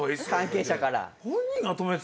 関係者から。